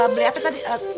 beli apa tadi